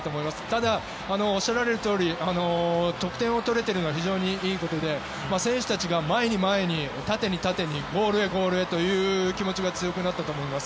ただ、おっしゃられるとおり得点を取れてるのは非常にいいことで選手たちが前に前に、縦に縦にゴールへゴールへという気持ちが強くなったと思います。